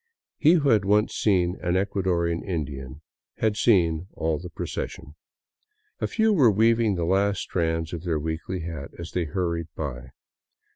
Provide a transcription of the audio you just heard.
He who had once seen an Ecuadorian Indian had seen all the procession. A few were weaving the last strands of their weekly hat as they hurried by.